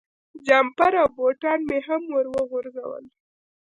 جمپر او بوټان مې هم ور وغورځول.